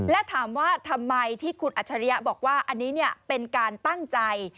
และถามว่าทำไมที่คุณอัจฉริยะบอกว่าอันนี้เป็นการตั้งใจ